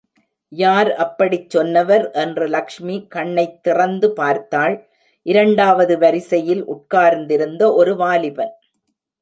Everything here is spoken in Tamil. யார் அப்படிச் சொன்னவர் என்று லஷ்மி கண்ணைத் திறந்து பார்த்தாள் இரண்டாவது வரிசையில் உட்கார்ந்திருந்த ஒரு வாலிபன்.